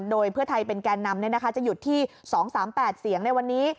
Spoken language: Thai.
โดยเพื่อไทยเป็นแก่นำจะหยุดที่๒๓๘เสียงในวันนี้